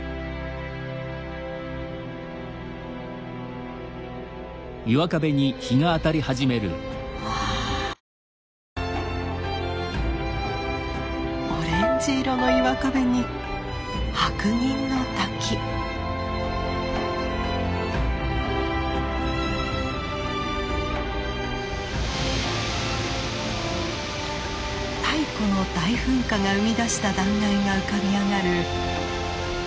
太古の大噴火が生み出した断崖が浮かび上がる一瞬の輝きです。